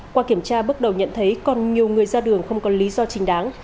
qua kiểm tra bước đầu nhận thấy còn nhiều người ra đường không có lý do chính đáng